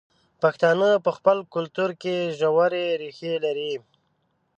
پښتانه په خپل کلتور کې ژورې ریښې لري.